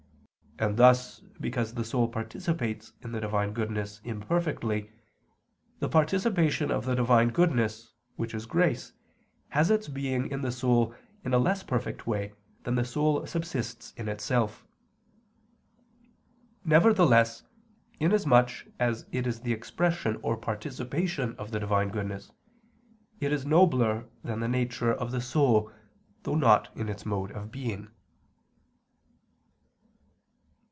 And thus because the soul participates in the Divine goodness imperfectly, the participation of the Divine goodness, which is grace, has its being in the soul in a less perfect way than the soul subsists in itself. Nevertheless, inasmuch as it is the expression or participation of the Divine goodness, it is nobler than the nature of the soul, though not in its mode of being.